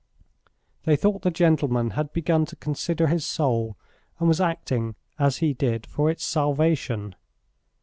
They thought the gentleman had begun to consider his soul, and was acting as he did for its salvation.